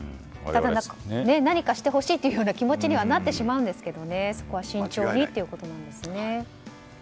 何かしてほしいというような気持ちにはなってしまうんですがそこは慎重にということなんですね。